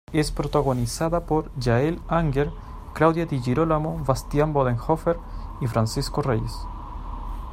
Es protagonizada por Jael Unger, Claudia Di Girolamo, Bastián Bodenhöfer y Francisco Reyes.